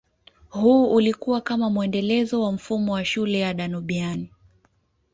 Huu ulikua kama muendelezo wa mfumo wa shule ya Danubian